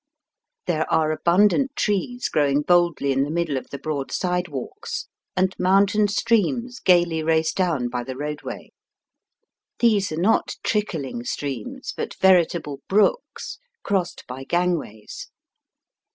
There are abundant trees growing boldly in the middle of the broad side walks, and mountain streams gaily race down by the roadway. These are not trickling streams, but veritable brooks, crossed by gang ways.